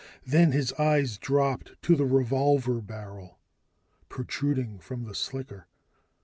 Then his eyes dropped to the revolver barrel protruding from the slicker.